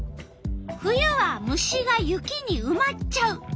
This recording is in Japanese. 「冬は虫が雪にうまっちゃう」。